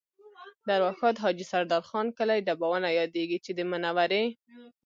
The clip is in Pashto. د ارواښاد حاجي سردار خان کلی ډبونه یادېږي چې د منورې